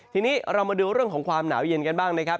ทีนี้เรามาดูเรื่องของความหนาวเย็นกันบ้างนะครับ